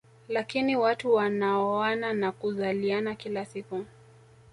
Lakini watu wanaoana na kuzaliana kila siku